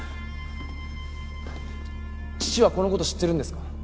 父はこのこと知ってるんですか？